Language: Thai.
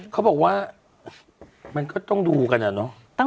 เขาบอกว่ามันก็ต้องดูกันอะเนาะ